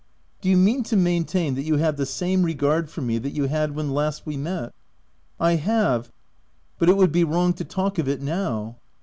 "Do you mean to maintain that you have the same regard for me that you had when last we met?" " I have, but it would be wrong to talk of it now."